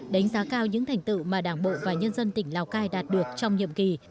đánh giá cao những thành tựu mà đảng bộ và nhân dân tỉnh lào cai đạt được trong nhiệm kỳ